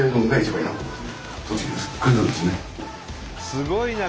すごいな！